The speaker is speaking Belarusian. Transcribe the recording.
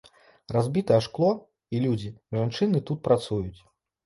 Разбітае шкло, і людзі, жанчыны тут працуюць.